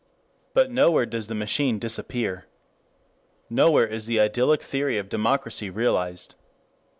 But nowhere does the machine disappear. Nowhere is the idyllic theory of democracy realized.